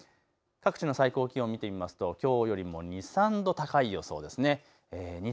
各地の最高気温を見てみますときょうよりも２、３度高い予想です。